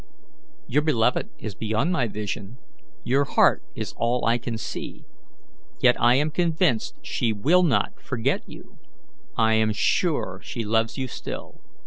"Your beloved is beyond my vision; your heart is all I can see. Yet I am convinced she will not forget you. I am sure she loves you still."